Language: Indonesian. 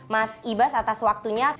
mas ibas atas waktunya